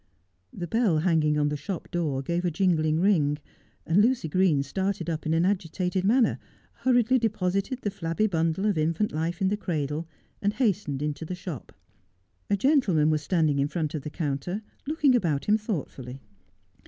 The bell hanging on the shop door gave a jingling ring, and Lucy Green started up in an agitated manner, hurriedly de posited the flabby bundle of infant life in the cradle, and hastened into the shop. A gentleman was standing in front of the counter, looking about him thoughtfully.